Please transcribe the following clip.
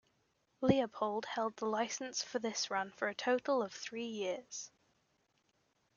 Leopold held the licence for this run for a total of three years.